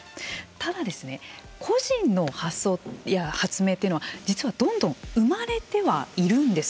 ただですね、個人の発想や発明というのは実は、どんどん生まれてはいるんです。